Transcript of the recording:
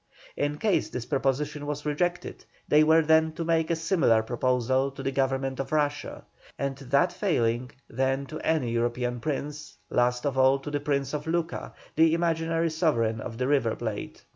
In case this proposition was rejected, they were then to make a similar proposal to the Government of Russia; and that failing, then to any European prince; last of all, to the Prince of Luca, the imaginary sovereign of the River Plate.